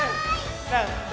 「なんだ？